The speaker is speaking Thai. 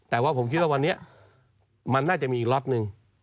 แต่ว่าผมคิดว่าวันนี้มันน่าจะมีอีกล็อตหนึ่ง